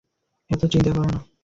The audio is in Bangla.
এত চিন্তা করো না।